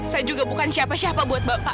saya juga bukan siapa siapa buat bapak